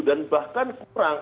dan bahkan kurang